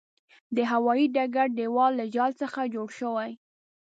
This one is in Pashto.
د هوايې ډګر دېوال له جال څخه جوړ شوی.